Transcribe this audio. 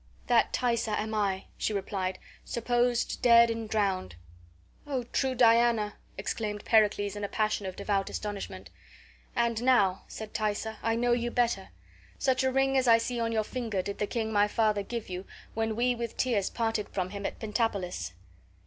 "That Thaisa am I," she replied, "supposed dead and drowned." "O true Diana!" exclaimed Pericles, in a passion of devout astonishment. "And now," said Thaisa, "I know you better. Such a ring as I see on your finger did the king my father give you when we with tears parted from him at Pentapolis."